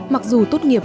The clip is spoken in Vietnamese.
mặc dù tốt nghiệp